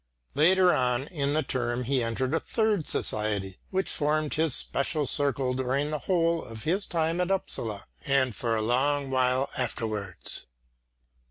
Later on in the term he entered a third society, which formed his special circle during the whole of his time at Upsala and for a long while afterwards.